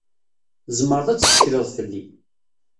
Tzemreḍ ad tettekleḍ fell-i.